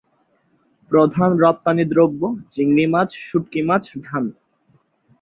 প্রধান রপ্তানিদ্রব্য চিংড়ি মাছ, শুঁটকি মাছ, ধান।